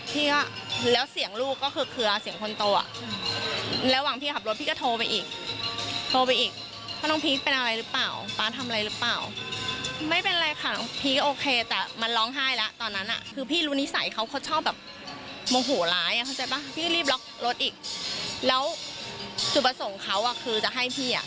พี่รีบล็อกรถอีกแล้วสุดประสงค์เขาอ่ะคือจะให้พี่อ่ะ